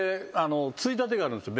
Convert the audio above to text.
ついたてがあるんですよ